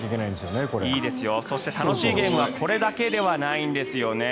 そして、楽しいゲームはこれだけではないんですね。